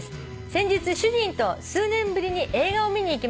「先日主人と数年ぶりに映画を見に行きました」